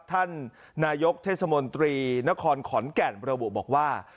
ท่านนายกเทศมนตรีนครขอนแก่นระบุบอกว่า